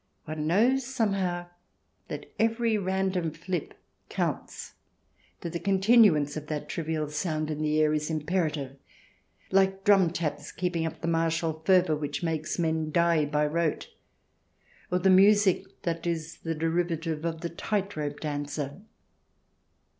One knows, somehow, that every random flip counts, that the continuance of that trivial sound in the air is im perative, like drum taps keeping up the martial fervour which makes men die by rote, or the music that is the derivative of the tight rope dancer.